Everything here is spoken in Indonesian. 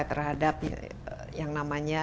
terhadap yang namanya